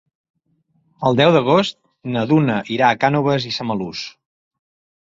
El deu d'agost na Duna irà a Cànoves i Samalús.